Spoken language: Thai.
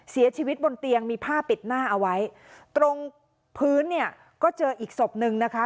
เสียชีวิตบนเตียงมีผ้าปิดหน้าเอาไว้ตรงพื้นเนี่ยก็เจออีกศพนึงนะคะ